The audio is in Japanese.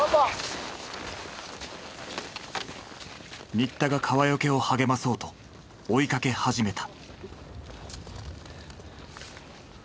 新田が川除を励まそうと追いかけ始めた。